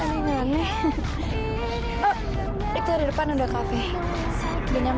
tapi enggak pernah tipe cowok cowok seperti itu kan